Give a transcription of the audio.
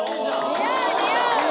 似合う似合う！